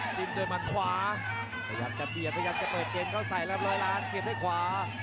จิ้มด้วยมัดขวาพยายามจะเบียดพยายามจะเปิดเกมเข้าใส่แล้วร้อยล้านเสียบด้วยขวา